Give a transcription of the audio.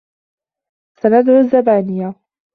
سَنَدعُ الزَّبانِيَةَ